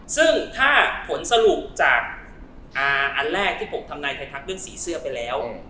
ซึ่งถ้าผลสรุปจากอันแรกที่ผมทำนายไทยทักเรื่องสีเสื้อไปแล้ว